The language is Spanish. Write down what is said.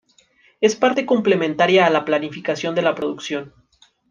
Es en parte complementaria a la planificación de la producción.